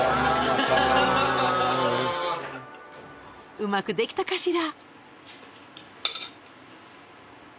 うまくできたかしら？